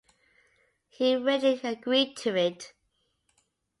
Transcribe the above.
He readily agreed to it.